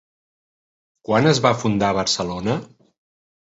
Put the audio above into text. Quan es va fundar Barcelona?